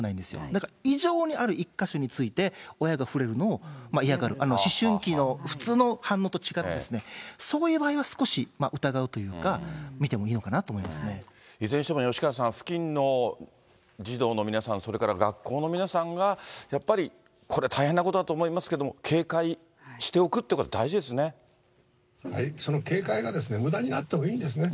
だから異常に、ある１か所について親が触れるのを嫌がる、思春期の普通の反応と違って、そういう場合は少し疑うというか、いずれしても吉川さん、付近の児童の皆さん、それから学校の皆さんが、やっぱりこれ大変なことだと思いますが、警戒しておくということその警戒がむだになってもいいんですね。